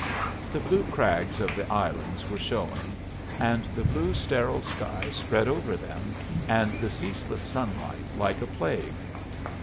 The blue crags of the islands were showing, and the blue sterile sky spread over them and the ceaseless sunlight like a plague.